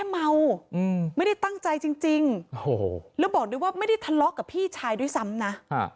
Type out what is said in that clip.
เมาไม่ได้ตั้งใจจริงแล้วบอกด้วยว่าไม่ได้ทะเลาะกับพี่ชายด้วยซ้ำนะ